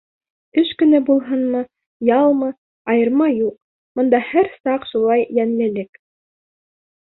Эш көнө булһынмы, ялмы — айырма юҡ, бында һәр саҡ шулай йәнлелек.